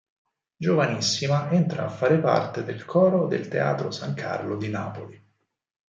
Giovanissima entra a fare parte del Coro del Teatro San Carlo di Napoli.